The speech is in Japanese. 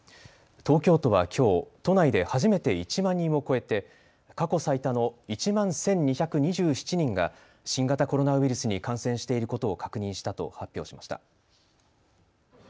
東京都はきょう、都内で初めて１万人を超えて過去最多の１万１２２７人が新型コロナウイルスに感染していることを確認したと発表しました。